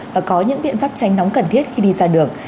và có những biện pháp tránh nóng cần thiết khi đi ra đường